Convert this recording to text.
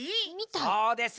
そうです。